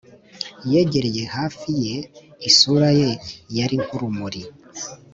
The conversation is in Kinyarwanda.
yegereye hafi yegera! isura ye yari nk'urumuri!